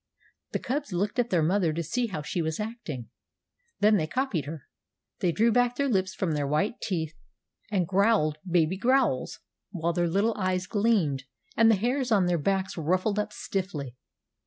The cubs looked at their mother to see how she was acting. Then they copied her. They drew back their lips from their white teeth and growled baby growls, while their little eyes gleamed, and the hairs on their backs ruffled up stiffly.